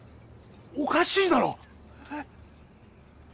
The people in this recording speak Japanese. おかしいだろ？